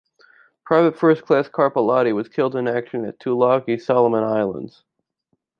Private First Class Carpellotti was killed in action at Tulagi, Solomon Islands.